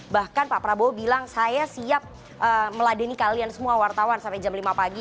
bahkan pak prabowo bilang saya siap meladeni kalian semua wartawan sampai jam lima pagi